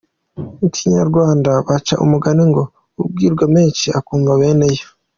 Mu Kinyarwanda baca umugani ngo abwirwa benshi akumva beneyo.